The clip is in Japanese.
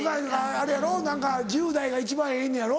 あれやろ１０代が一番ええねやろ？